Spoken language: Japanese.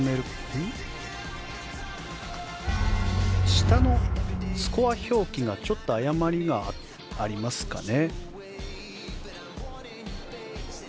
下のスコア表記にちょっと誤りがありますかね。